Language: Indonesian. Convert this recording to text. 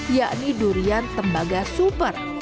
yakni durian tembaga super